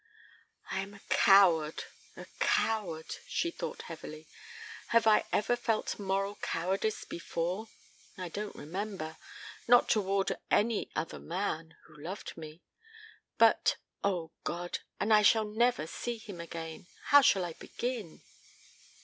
"I am a coward. A coward," she thought heavily. "Have I ever felt moral cowardice before? I don't remember. Not toward any other man who loved me. But Oh, God! And I shall never see him again. How shall I begin?"